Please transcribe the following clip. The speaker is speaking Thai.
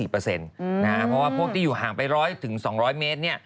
เพราะว่าพวกที่อยู่ห่างไป๑๐๐๒๐๐เมตร